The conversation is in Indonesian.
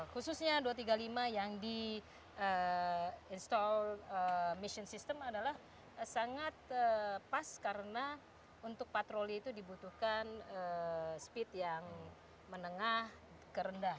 khususnya dua ratus tiga puluh lima yang di install mission system adalah sangat pas karena untuk patroli itu dibutuhkan speed yang menengah ke rendah